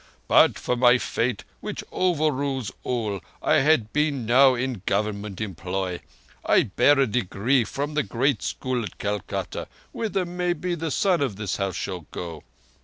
"But for my fate, which overrules all, I had been now in Government employ. I bear a degree from the great school at Calcutta—whither, maybe, the son of this House shall go."